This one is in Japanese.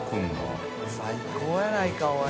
最高やないかおい。